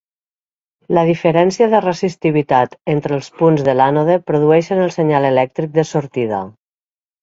La diferència de resistivitat entre els punts de l'ànode produeixen el senyal elèctric de sortida.